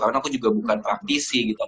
karena aku juga bukan praktisi gitu